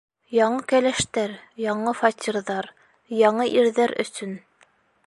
Яңы кәләштәр, яңы фатирҙар, яңы ирҙәр өсөн!